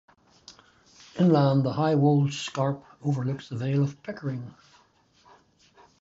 Inland the high Wolds scarp overlooks the Vale of Pickering.